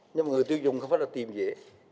nhưng mà người tiêu dùng không phải là tiềm dễ